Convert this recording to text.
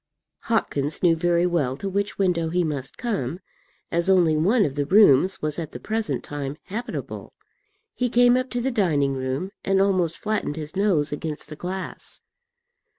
Hopkins knew very well to which window he must come, as only one of the rooms was at the present time habitable. He came up to the dining room, and almost flattened his nose against the glass.